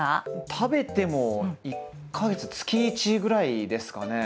食べても１か月月１ぐらいですかね。